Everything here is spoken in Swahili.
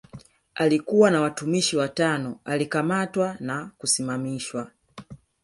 Alikuwa na watumishi watano alikamatwa na kusimamishwa